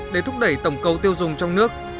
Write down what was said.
để thúc đẩy tổng cầu tiêu dùng trong nước